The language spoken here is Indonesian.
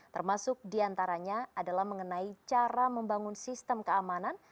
termasuk diantaranya adalah mengenai cara membangun sistem keamanan